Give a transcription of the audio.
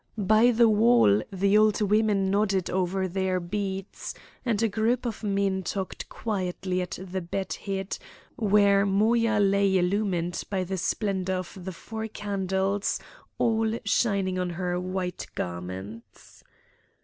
By the wall the old women nodded over their beads, and a group of men talked quietly at the bed head where Moya lay illumined by the splendour of the four candles all shining on her white garments.